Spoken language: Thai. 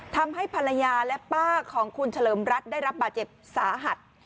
ทำให้ภรรยาและป้าของคุณเฉลิมรัฐได้รับบาดเจ็บสาหัส